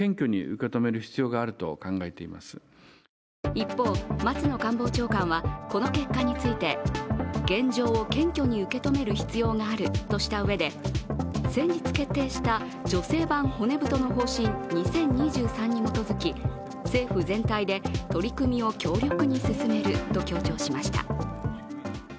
一方、松野官房長官はこの結果について、現状を謙虚に受け止める必要があるとしたうえで先日決定した女性版骨太の方針２０２３に基づき政府全体で取り組みを強力に進めると強調しました。